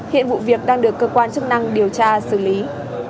hiện vụ việc đang được cơ quan chức năng điều tra xử lý